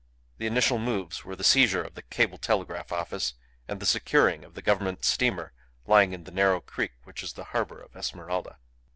The initial moves were the seizure of the cable telegraph office and the securing of the Government steamer lying in the narrow creek which is the harbour of Esmeralda.